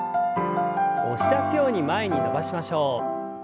押し出すように前に伸ばしましょう。